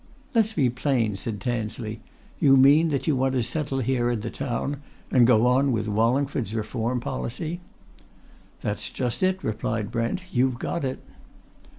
"Let's be plain," said Tansley. "You mean that you want to settle here in the town, and go on with Wallingford's reform policy?" "That's just it," replied Brent. "You've got it."